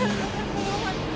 jangan aku mohon